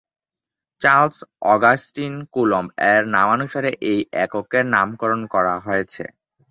Charles Augustin Coulomb এর নামানুসারে এই এককের নামকরণ করা হয়েছে।